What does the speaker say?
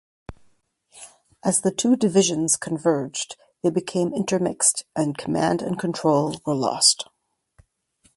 As the two divisions converged they became intermixed and command and control were lost.